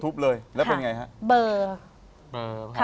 ทุบเลยแล้วเป็นไงฮะ